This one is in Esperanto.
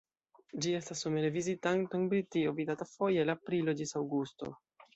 Ĝi estas somere vizitanto en Britio, vidata foje el aprilo ĝis aŭgusto.